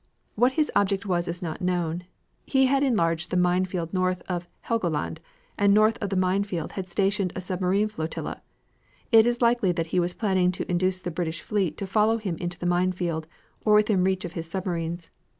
What his object was is not known. He had enlarged the mine field north of Helgoland and north of the mine field had stationed a submarine flotilla. It is likely that he was planning to induce the British fleet to follow him into the mine field, or within reach of his submarines.